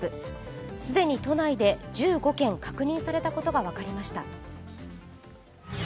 既に都内で１５件、確認されたことが分かりました。